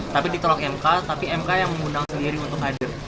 tapi ditolak mk tapi mk yang mengundang sendiri untuk hadir